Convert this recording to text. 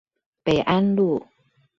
北安路